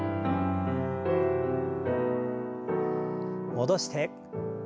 戻して。